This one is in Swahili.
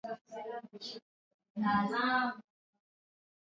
Usi chukie mutu sababu aujuwi kesho yake